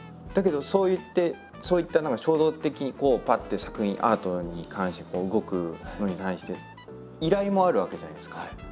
だけどそういってそういった何か衝動的にこうパッて作品アートに関して動くことに対して依頼もあるわけじゃないですか。